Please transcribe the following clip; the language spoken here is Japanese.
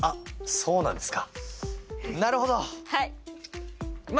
そうなんですか？